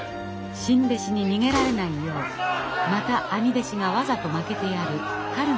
新弟子に逃げられないようまた兄弟子がわざと負けてやる春が来ていました。